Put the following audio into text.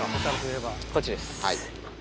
こっちです。